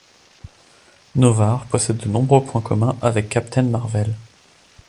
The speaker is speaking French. Noh-Varr possède de nombreux points communs avec Captain Mar-Vell.